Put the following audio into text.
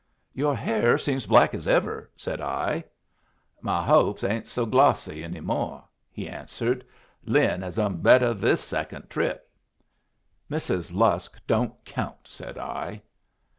"Your hair seems black as ever," said I. "My hopes ain't so glossy any more," he answered. "Lin has done better this second trip." "Mrs. Lusk don't count," said I.